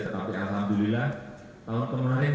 tetapi alhamdulillah tahun kemarin